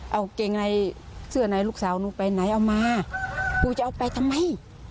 เอาเกงในเสื้อไหนลูกสาวหนูไปไหนเอามากูจะเอาไปทำไม